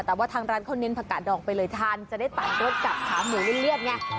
แต่ว่าทางร้านเขาเน้นผักกาดองไปเลยทานจะได้ตัดรสกับขาหมูเลือดไง